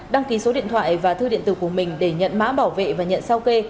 đăng ký số điện thoại và thư điện tử của mình để nhận mã bảo vệ và nhận sao kê